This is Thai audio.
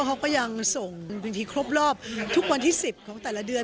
เขาก็ยังส่งบางทีครบรอบทุกวันที่๑๐ของแต่ละเดือน